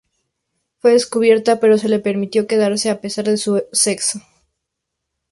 Fue descubierta, pero se le permitió quedarse a pesar de su sexo.